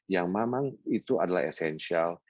yang memang itu adalah esensial